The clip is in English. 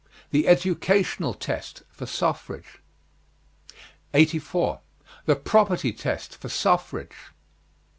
THE EDUCATIONAL TEST FOR SUFFRAGE. 84. THE PROPERTY TEST FOR SUFFRAGE.